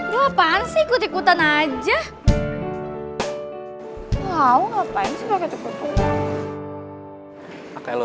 lo bi kena engkau